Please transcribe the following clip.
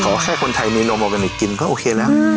ขอแค่คนไทยมีนมอล์แกนิคกินก็โอเคแหละ